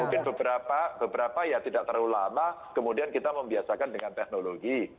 mungkin beberapa ya tidak terlalu lama kemudian kita membiasakan dengan teknologi